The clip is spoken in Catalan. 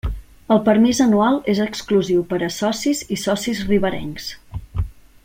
El permís anual és exclusiu per a socis i socis riberencs.